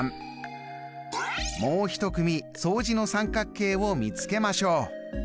もう一組相似の三角形を見つけましょう。